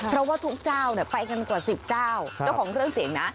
เพราะว่าทุกเจ้าไปกันกว่า๑๐เจ้าเจ้าของเครื่องเสียงนะ